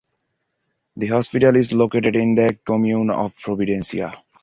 The hospital is located in the commune of Providencia.